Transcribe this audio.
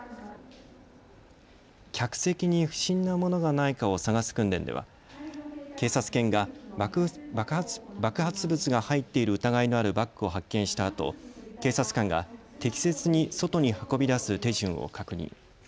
客席に不審なものがないかを探す訓練では警察犬が爆発物が入っている疑いのあるバッグを発見したあと警察官が適切に外に運び出す手順を確認。